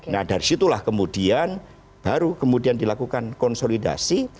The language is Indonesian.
nah dari situlah kemudian baru kemudian dilakukan konsolidasi